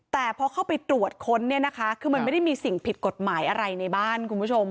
แต่พอเข้าไปตรวจค้นเนี่ยนะคะคือมันไม่ได้มีสิ่งผิดกฎหมายอะไรในบ้านคุณผู้ชม